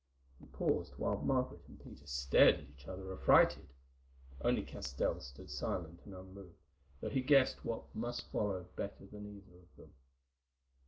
He paused, while Margaret and Peter stared at each other affrighted. Only Castell stood silent and unmoved, though he guessed what must follow better than either of them.